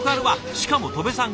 しかも戸部さん